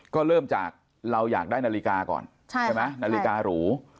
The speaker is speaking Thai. ก็เริ่มจากเราอยากได้นาฬิกาก่อนใช่ไหมนาฬิการู